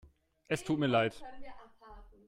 Es tut mir leid.